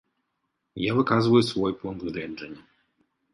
Я выказваю свой пункт гледжання.